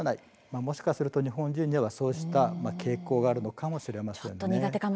もしかすると日本人にはそうした傾向があるのかもしれません。